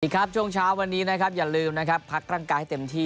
สวัสดีครับช่วงเช้าวันนี้อย่าลืมพักร่างกายให้เต็มที่